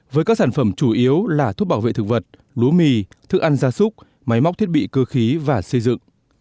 với các sản phẩm chủ yếu là thuốc bảo vệ thực vật lúa mì thức ăn gia súc máy móc thiết bị cơ khí và xây dựng